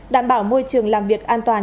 đảm bảo môi trường làm việc an toàn